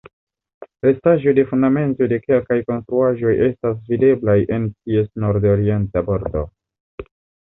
Restaĵoj de fundamentoj de kelkaj konstruaĵoj estas videblaj en ties nordorienta bordo.